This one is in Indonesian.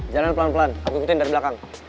jalan pelan pelan aku ikutin dari belakang